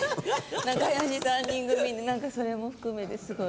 仲良し３人組でなんかそれも含めてすごい。